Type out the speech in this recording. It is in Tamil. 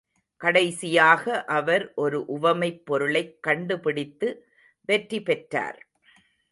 கடைசியாக அவர் ஒரு உவமைப் பொருளைக் கண்டுபிடித்து வெற்றி பெற்றார்.